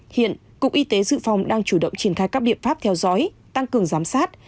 hiện cục y tế dự phòng đang chủ động triển khai các biện pháp theo dõi tăng cường giám sát